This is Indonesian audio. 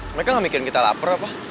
mereka gak mikirin kita lapar apa